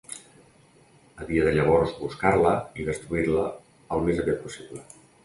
Havia de llavors buscar-la i destruir-la al més aviat possible.